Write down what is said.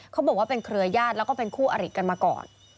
เขาบอกว่าเป็นเครือญาติแล้วก็เป็นคู่อริกันมาก่อน